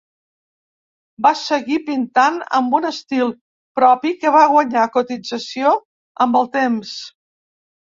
Va seguir pintant amb un estil propi que va guanyar cotització amb el temps.